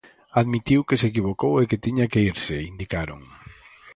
"Admitiu que se equivocou e que tiña que irse", indicaron.